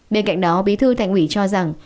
bên cạnh đó bí thư thành ủy cho rằng